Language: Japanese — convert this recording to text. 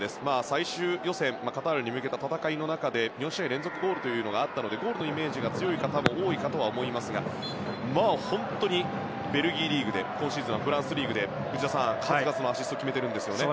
最終予選カタールに向けた戦いの中で４試合連続ゴールがあったのでゴールのイメージが強い方も多いと思いますが本当に、ベルギーリーグで今シーズンはフランスリーグで内田さん、数々のアシストを決めていますよね。